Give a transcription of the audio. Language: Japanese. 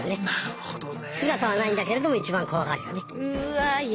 姿はないんだけれども一番怖がるよね。